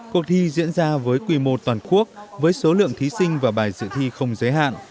cuộc thi diễn ra với quy mô toàn quốc với số lượng thí sinh và bài dự thi không giới hạn